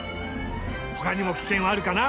ほかにもキケンはあるかな？